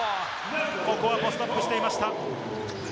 ここはポストアップしていました。